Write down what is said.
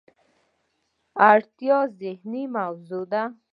اړتیا ذهني موضوع ده.